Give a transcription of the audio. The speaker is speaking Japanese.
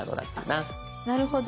なるほど。